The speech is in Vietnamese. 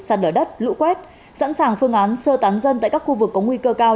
sạt lở đất lũ quét sẵn sàng phương án sơ tán dân tại các khu vực có nguy cơ cao